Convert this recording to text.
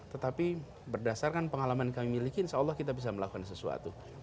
tetapi berdasarkan pengalaman yang kami miliki insya allah kita bisa melakukan sesuatu